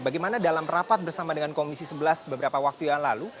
bagaimana dalam rapat bersama dengan komisi sebelas beberapa waktu yang lalu